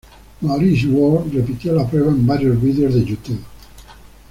Maurice Ward repitió la prueba en varios vídeos de Youtube.